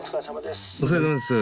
お疲れさまです」